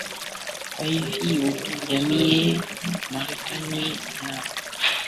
kwa hivyo yaani marekani ame amezitembelea hivi nchi strategically kwa sababu kama ukiangalia